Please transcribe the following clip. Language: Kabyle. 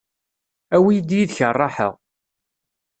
Awi-yi-d yid-k ṛṛaḥa.